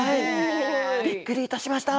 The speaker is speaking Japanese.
びっくりいたしました。